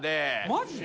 マジで？